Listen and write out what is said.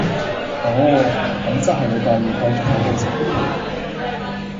哦,咁即係你哋繼續喺度食煙呀?